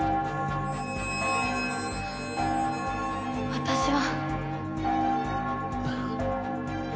私は